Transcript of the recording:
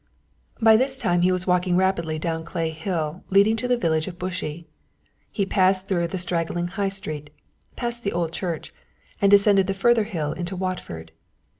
By this time he was walking rapidly down Clay Hill leading to the village of Bushey. He passed through the straggling High Street, past the old church, and descended the further hill into Watford.